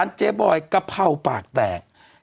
ก็น่าจะอร่อยอยู่นะเพราะว่ามะม่วงมันหอมหวานใช่ไหม